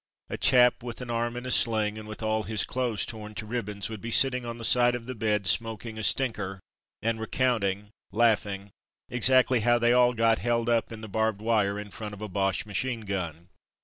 A chap with an arm in a sling and with all his clothes torn to ribbons would be sitting on the side of a bed smoking a '' stinker '* and recounting, laughing, exactly how they all got held up in the barbed wire in front of a Boche machine gun.